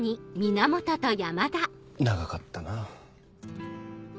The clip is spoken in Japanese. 長かったな。